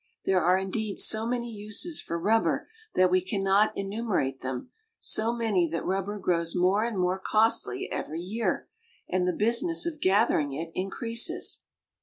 There are indeed so many uses for rubber that we cannot enu merate them ; so many that rubber grows more and more costly every year, and the business of gathering it in creases.